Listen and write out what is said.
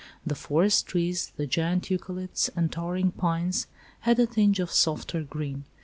The forest trees, the giant eucalypts and towering pines, "had a tinge of softer green."